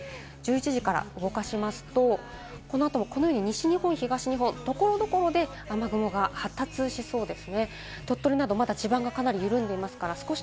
１１時から動かしますと、この後もこのように西日本、東日本、所々で雨雲が発達しそうです。